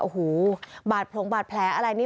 โอ้โหบาดผงบาดแผลอะไรนี่